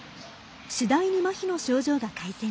次第にまひの症状が改善。